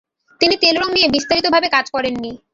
তিনি তেলরঙ নিয়ে বিস্তারিতভাবে কাজ করেন নি।